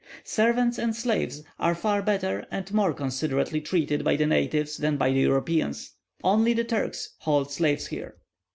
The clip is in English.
Servants and slaves are far better and more considerately treated by the natives than by the Europeans. Only the Turks hold slaves here.